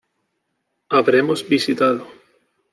Habremos visitado